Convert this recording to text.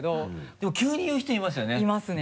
でも急に言う人いますよね。